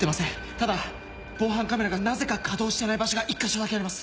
ただ防犯カメラがなぜか稼働してない場所が１か所だけあります。